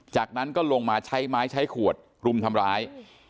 จากนั้นก็ลงมาใช้ไม้ใช้ขวดรุมทำร้าย